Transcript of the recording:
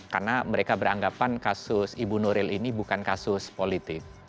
karena mereka beranggapan kasus ibu nuril ini bukan kasus politik